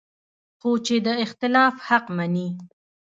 خو چې د اختلاف حق مني